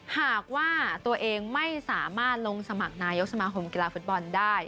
หากว่าตัวเองไม่สามารถลงสมัครนายกสมาคมกีฬาฟุตบอลได้